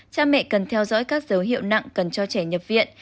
cha mẹ cần theo dõi các dấu hiệu nặng cần cho trẻ nhập viện